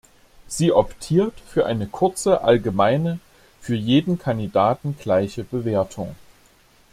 Sie optiert für eine kurze, allgemeine, für jeden Kandidaten gleiche Bewertung.